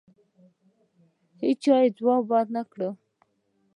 هېچا یې ځواب ونه کړ.